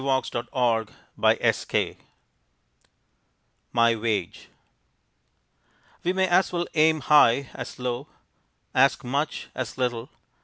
Joseph Morris, MY WAGE We may as well aim high as low, ask much as little.